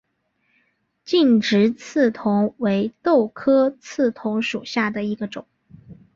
劲直刺桐为豆科刺桐属下的一个种。